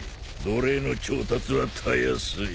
奴隷の調達はたやすい。